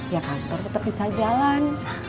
ya kantor tetap bisa jalan